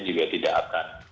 juga tidak akan